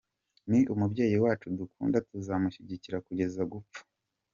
Ni umubyeyi wacu dukunda tuzamushyigikira kugeza gupfa.